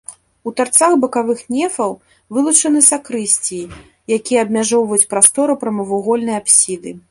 У тарцах бакавых нефаў вылучаны сакрысціі, якія абмяжоўваюць прастору прамавугольнай апсіды.